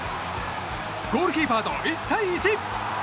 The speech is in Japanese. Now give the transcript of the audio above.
ゴールキーパーと１対１。